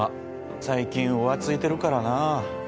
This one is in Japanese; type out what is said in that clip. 最近浮ついてるからなあ